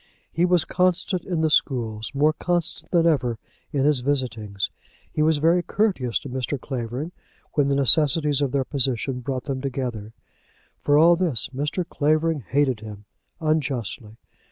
He was constant in the schools, more constant than ever in his visitings. He was very courteous to Mr. Clavering when the necessities of their position brought them together. For all this Mr. Clavering hated him, unjustly.